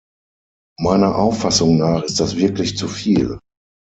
Meiner Auffassung nach ist das wirklich zuviel!